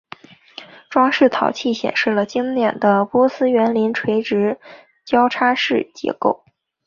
装饰陶器显示了经典的波斯园林垂直交叉式结构。